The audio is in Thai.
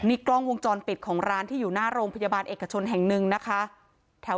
นี่กล้องวงจรปิดของร้านที่อยู่หน้าโรงพยาบาลเอกชนแห่งหนึ่งนะคะ